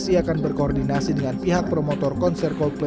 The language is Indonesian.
masih akan berkoordinasi dengan pihak promotor konser coldplay